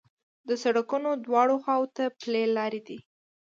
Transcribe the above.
د سړکونو دواړو خواوو ته پلي لارې دي.